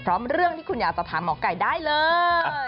เรื่องที่คุณอยากจะถามหมอไก่ได้เลย